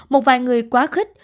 một vài người quá khích